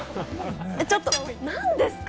ちょっと、なんですか？